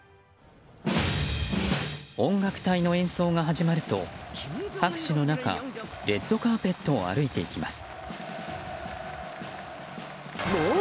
音楽隊の演奏が始まると拍手の中レッドカーペットを歩いていきます。